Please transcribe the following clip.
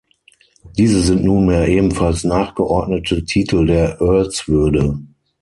Diese sind nunmehr ebenfalls nachgeordnete Titel der Earlswürde.